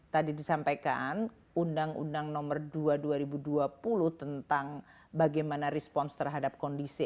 tadi disampaikan undang undang nomor dua dua ribu dua puluh tentang bagaimana respons terhadap kondisi